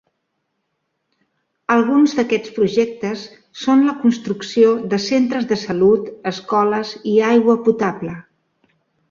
Alguns d'aquests projectes són la construcció de centres de salut, escoles i agua potable.